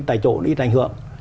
tại chỗ nó ít ảnh hưởng